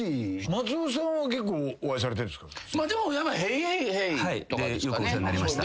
松本さんは結構お会いされてんすか？とかですかね。